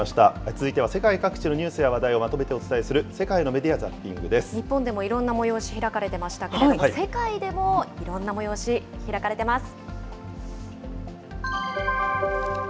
続いては世界各地のニュースや話題をまとめてお伝えする、世界の日本でもいろんな催し開かれてましたけれども、世界でもいろんな催し、開かれてます。